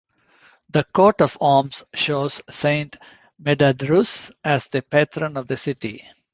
The coat of arms shows Saint Medardus as the patron of the city.